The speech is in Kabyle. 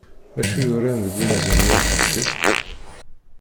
Acu yuran deg unazal-nni a taqcict?